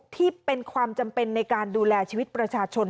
ที่เป็นความจำเป็นในการดูแลชีวิตประชาชน